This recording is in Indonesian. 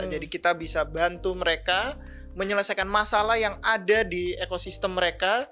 jadi kita bisa bantu mereka menyelesaikan masalah yang ada di ekosistem mereka